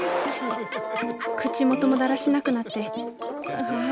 口元もだらしなくなってああ